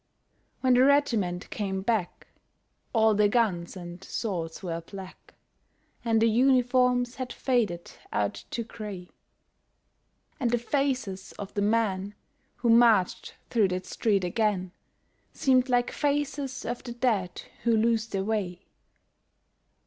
When the regiment came back all the guns and swords were black And the uniforms had faded out to gray, And the faces of the men who marched through that street again Seemed like faces of the dead who lose their way.